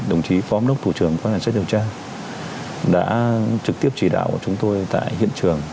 đồng chí phó âm đốc thủ trưởng khoa hành xét điều tra đã trực tiếp chỉ đạo của chúng tôi tại hiện trường